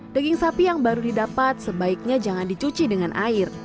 daging sapi yang baru didapat sebaiknya jangan dicuci dengan air